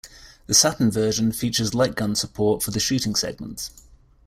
The Saturn version features light gun support for the shooting segments.